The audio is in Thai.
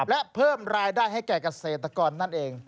และเพิ่มรายได้ให้แก่เกษตรกรนั่นเอง